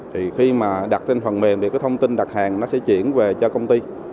thì khi mà đặt trên phần mềm thì cái thông tin đặt hàng nó sẽ chuyển về cho công ty